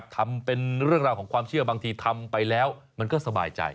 ทำเป็นเรื่องราวของความเชื่อบางทีทำไปแล้วมันก็สบายใจ